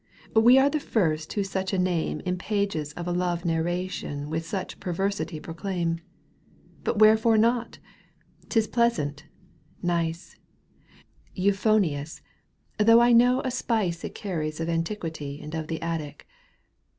^ We are the first who such a name \ In pages of a love narration With such perversity proclaim. But wherefore not ?— Tis pleasant, nice, Euphonious, though I know a spice It carries of antiquity And of the attic.